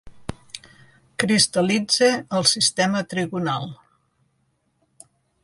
Cristal·litza al sistema trigonal.